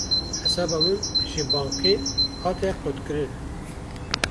Hisaba min ji bankê hate qutkirin